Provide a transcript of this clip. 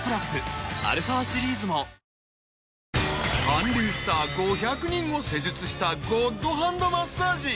［韓流スター５００人を施術したゴッドハンドマッサージ］